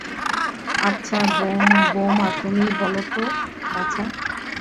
আচ্ছা, বউমা তুমিই বলো তো, বাছা।